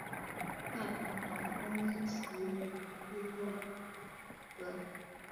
大鹏航空奇摩部落格